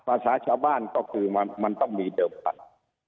ภาษาชาวบ้านก็คือมันต้องมีเดิมไป